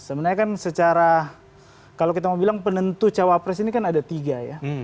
sebenarnya kan secara kalau kita mau bilang penentu cawapres ini kan ada tiga ya